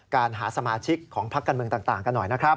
การหาสมาชิกของพักการเมืองต่างกันหน่อยนะครับ